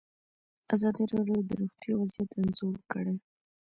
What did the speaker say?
ازادي راډیو د روغتیا وضعیت انځور کړی.